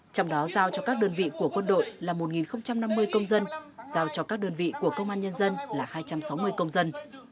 trong đó giao cho các đơn vị của quân đội là một năm mươi công dân giao cho các đơn vị của công an nhân dân là hai trăm sáu mươi công dân